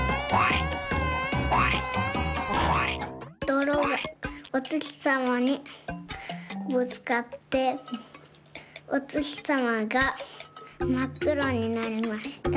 どろがおつきさまにぶつかっておつきさまがまっくろになりました。